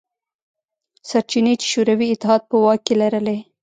سرچینې چې شوروي اتحاد په واک کې لرلې.